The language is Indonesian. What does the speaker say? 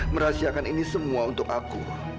merahasiakan ini semua untuk aku